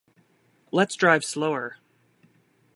Let's drive slower.